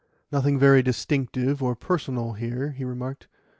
"Nothing very distinctive or personal here," he remarked.